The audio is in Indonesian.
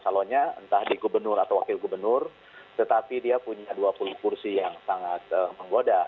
calonnya entah di gubernur atau wakil gubernur tetapi dia punya dua puluh kursi yang sangat menggoda